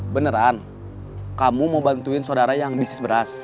beneran kamu mau bantuin saudara yang bisnis beras